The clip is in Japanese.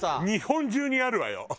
日本中にあるわよ。